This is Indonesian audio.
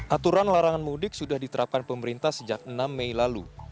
aturan larangan mudik sudah diterapkan pemerintah sejak enam mei lalu